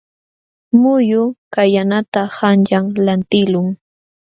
Muyu kallanata qanyan lantiqlun.